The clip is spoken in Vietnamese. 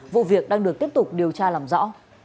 vụ việc đang được tiếp tục điều tra làm rõ